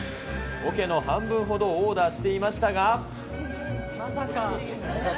おけの半分ほどオーダーしていましたが。